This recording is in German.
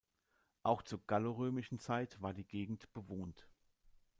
Auch zur gallorömischen Zeit war die Gegend bewohnt.